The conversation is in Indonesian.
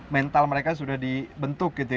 mental mereka sudah dibentuk gitu ya